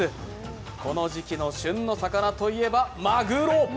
この時期の旬の魚といえばマグロ。